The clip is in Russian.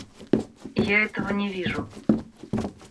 Я этого не вижу.